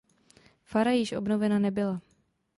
Fara již obnovena nebyla.